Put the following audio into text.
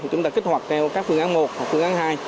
chúng ta kích hoạt theo các phương án một hoặc phương án hai